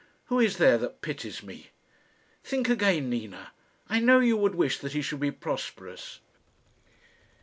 Who is there that pities me? Think again, Nina. I know you would wish that he should be prosperous."